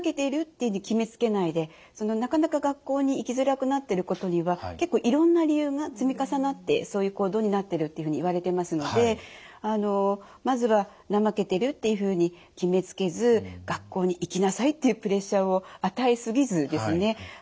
でもなかなか学校に行きづらくなってることには結構いろんな理由が積み重なってそういう行動になってるっていうふうにいわれてますのでまずは怠けてるっていうふうに決めつけず学校に行きなさいっていうプレッシャーを与え過ぎずですね